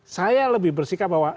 saya lebih bersikap bahwa